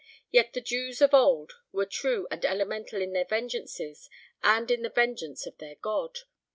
Yet the Jews of old were true and elemental in their vengeances and in the vengeance of their God.